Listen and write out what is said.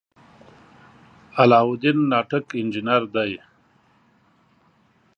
علاالدین ناټک انجنیر دی.